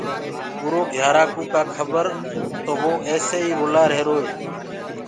اُرو گھيارآ ڪوُ ڪآ کبر تو وو ايسي ئي رُلآ رهيرو هي۔